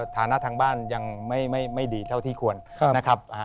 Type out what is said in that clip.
ฐานะทางบ้านยังไม่ดีเท่าที่ควรนะครับ